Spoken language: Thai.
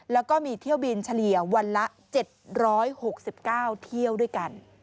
แล้วก็มีเที่ยวบินเฉลี่ยวันละ๗๖๙เที่ยวด้วยกัน